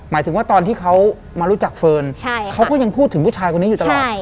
หมายถึงว่าตอนที่เขามารู้จักเฟิร์นเขาก็ยังพูดถึงผู้ชายคนนี้อยู่ตลอด